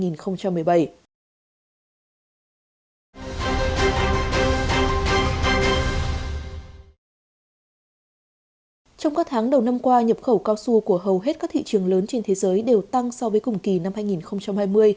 trong các tháng đầu năm qua nhập khẩu cao su của hầu hết các thị trường lớn trên thế giới đều tăng so với cùng kỳ năm hai nghìn hai mươi